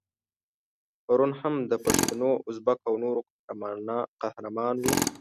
پرون هم د پښتنو، ازبکو او نورو قهرمان وو.